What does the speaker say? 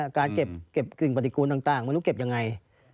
หรือว่าการเก็บกินปฏิกุลต่างไม่รู้เก็บอย่างไร